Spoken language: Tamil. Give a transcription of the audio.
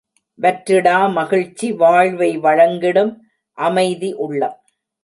வற்றிடா மகிழ்ச்சி வாழ்வை வழங்கிடும் அமைதி உள்ளம்.